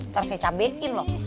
harusnya cabekin loh